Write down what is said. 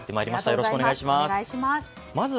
よろしくお願いします。